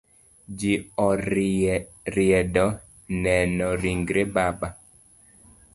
Ji oriedo neno ringre baba.